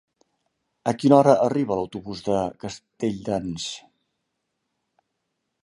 A quina hora arriba l'autobús de Castelldans?